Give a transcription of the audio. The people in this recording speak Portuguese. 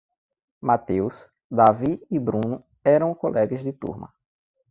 Matheus, Davi e Bruno eram colegas de turma.